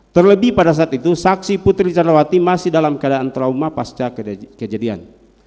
terlebih pada saat itu saksi putri candrawati masih dalam keadaan trauma pasca kejadian